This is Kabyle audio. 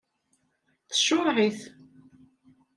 Tcureɛ-it.